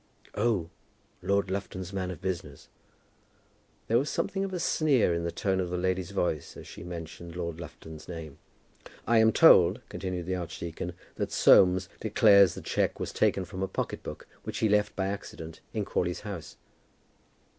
"Oh, Lord Lufton's man of business!" There was something of a sneer in the tone of the lady's voice as she mentioned Lord Lufton's name. "I am told," continued the archdeacon, "that Soames declares the cheque was taken from a pocket book which he left by accident in Crawley's house."